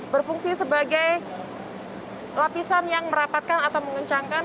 berfungsi sebagai lapisan yang merapatkan atau mengencangkan